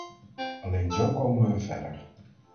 Alleen zo komen we verder.